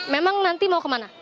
memang nanti mau ke mana